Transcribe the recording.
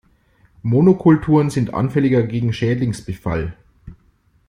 Monokulturen sind anfälliger gegen Schädlingsbefall.